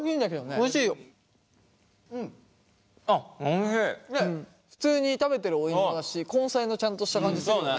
ねっ普通に食べてるお芋だし根菜のちゃんとした感じするよね。